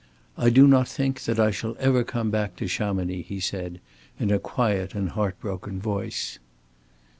"I do not think that I shall ever come back to Chamonix," he said, in a quiet and heart broken voice.